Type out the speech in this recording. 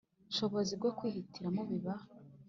shobozi bwo kwihitiramo Biba